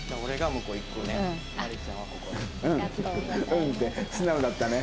「うん」って素直だったね。